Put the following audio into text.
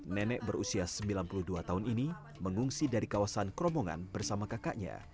nenek berusia sembilan puluh dua tahun ini mengungsi dari kawasan kromongan bersama kakaknya